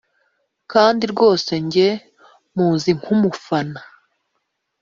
kandi rwose njye muzi nk’umufana